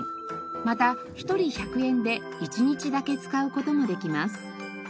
また１人１００円で１日だけ使う事もできます。